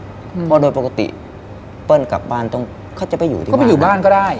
เพราะโดยปกติเปิ้ลกลับบ้านเขาจะไปอยู่ที่บ้านก็ได้